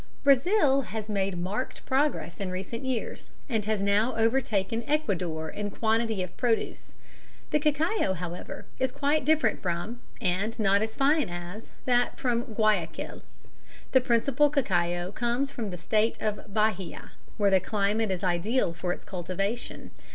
_ Brazil has made marked progress in recent years, and has now overtaken Ecuador in quantity of produce; the cacao, however, is quite different from, and not as fine as, that from Guayaquil. The principal cacao comes from the State of Bahia, where the climate is ideal for its cultivation.